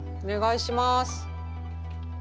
お願いします。